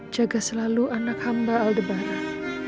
jaga selalu anak hamba aldebaran